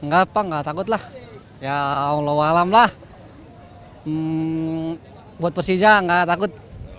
gak apa gak takut lah ya allah walaum lah buat persija gak takut